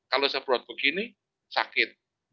kalau saya buat begini sakit